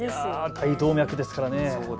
大動脈ですから。